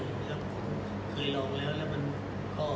มีความเชื่อมโยงกับบริษัทไหมล่ะคะ